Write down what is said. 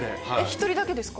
１人だけですか？